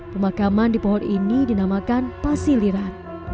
pemakaman di pohon ini dinamakan pasiliran